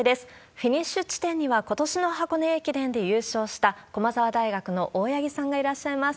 フィニッシュ地点には、ことしの箱根駅伝で優勝した駒澤大学の大八木さんがいらっしゃいます。